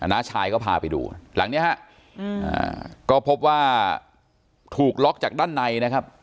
น้าชายก็พาไปดูหลังนี้ฮะก็พบว่าถูกล็อกจากด้านในนะครับ